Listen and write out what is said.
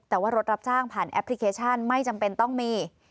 แต่ว่ารถรับจ้างผ่านแอปพลิเคชันไม่จำเป็นต้องมี